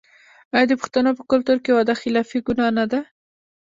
آیا د پښتنو په کلتور کې وعده خلافي ګناه نه ده؟